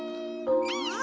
うん！